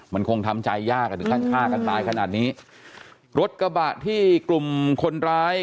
มันคงทำใจยากอ่ะถึงขั้นฆ่ากันตายขนาดนี้รถกระบะที่กลุ่มคนร้าย